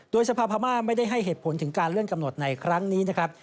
โดยสภาพม่าไม่ได้ให้เหตุผลถึงการเลื่อนกำหนดในครั้งนี้นะครับ